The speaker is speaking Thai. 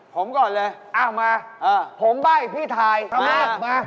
ผมก่อนเลยอ้าวมาผมใบ่พี่ทายมา